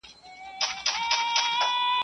لرغوني ښارونه سیلانیان جذبوي